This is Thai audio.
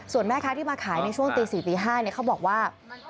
ส่วนแม่ค้าที่มาขายในช่วงตี๔ตี๕เขาบอกว่า